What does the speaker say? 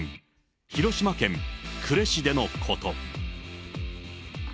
広島県呉市でのこと。